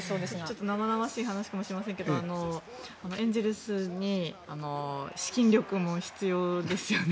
ちょっと生々しい話かもしれませんけどエンゼルスに資金力も必要ですよね。